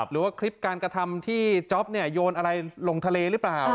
หรือว่าคลิปการกระทำที่จ๊อปโยนอะไรลงทะเลหรือเปล่า